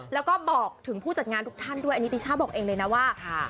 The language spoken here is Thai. แล้วก็บอกถึงผู้จัดงานทุกท่านด้วยอันนี้ติช่าบอกเองเลยนะว่า